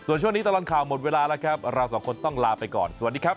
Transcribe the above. ส่วนช่วงนี้ตลอดข่าวหมดเวลาแล้วครับเราสองคนต้องลาไปก่อนสวัสดีครับ